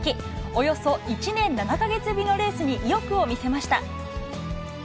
およそ１年７か月ぶりのレースに、意欲を見せました。